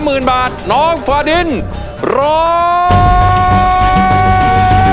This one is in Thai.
หมาดน้องฟาดินร้อง